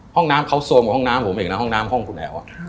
ห้องน้ำเขาโซมกับห้องน้ำผมเองนะห้องน้ำห้องคุณแอ๋ว